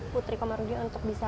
putri komarudin untuk bisa